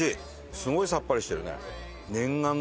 すごいさっぱりしてるね。